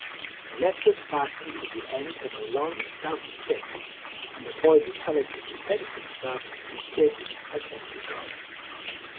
The net was fastened to the end of a long stout stick, and the boy decided to defend himself with this as best he could.